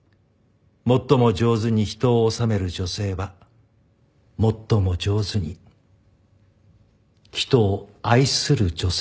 「最も上手に人をおさめる女性は最も上手に人を愛する女性である」。